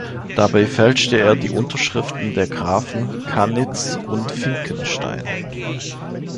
Dabei fälschte er die Unterschriften der Grafen Kanitz und Finckenstein.